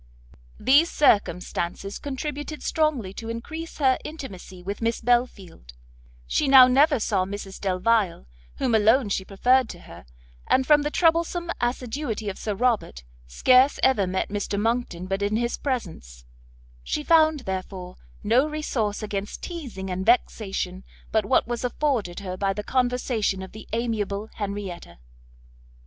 These circumstances contributed strongly to encrease her intimacy with Miss Belfield; she now never saw Mrs Delvile, whom alone she preferred to her, and from the troublesome assiduity of Sir Robert, scarce ever met Mr Monckton but in his presence; she found, therefore, no resource against teazing and vexation, but what was afforded her by the conversation of the amiable Henrietta.